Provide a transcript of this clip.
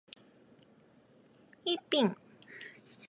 イーピン